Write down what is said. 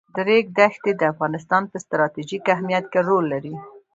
د ریګ دښتې د افغانستان په ستراتیژیک اهمیت کې رول لري.